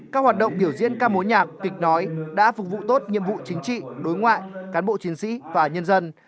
các hoạt động biểu diễn ca mối nhạc kịch nói đã phục vụ tốt nhiệm vụ chính trị đối ngoại cán bộ chiến sĩ và nhân dân